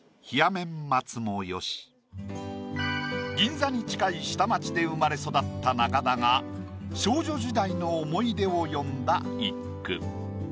銀座に近い下町で生まれ育った中田が少女時代の思い出を詠んだ一句。